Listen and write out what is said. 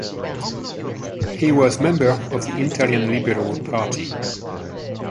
He was member of the Italian Liberal Party.